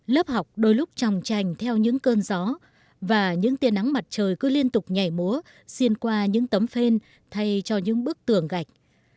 lớp học đôi lúc tròng trành theo những cơn gió và những tiên nắng mặt trời cứ liên tục nhảy múa xiên qua những tấm phên thay cho những bức tường gạch